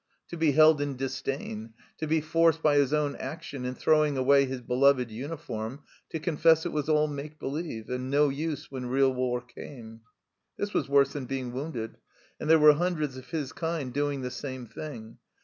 To be held in disdain ; to be forced, by his own action in throwing away his beloved uniform, to confess it was all make believe and no use when real war came this was worse than being wounded. And there were hundreds of his kind doing the same thing.